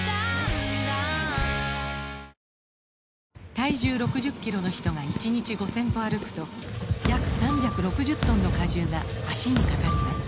体重６０キロの人が１日５０００歩歩くと約３６０トンの荷重が脚にかかります